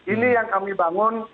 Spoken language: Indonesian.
ini yang kami bangun